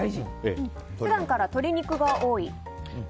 普段から鶏肉が多い？